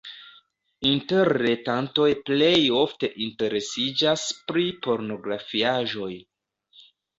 Interretantoj plej ofte interesiĝas pri pornografiaĵoj.